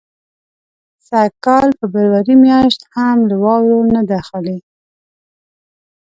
سږ کال فبروري میاشت هم له واورو نه ده خالي.